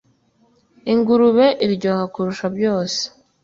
Ingurube iryoha kurusha byose,